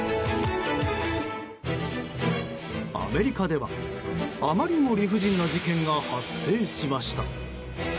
アメリカでは、あまりにも理不尽な事件が発生しました。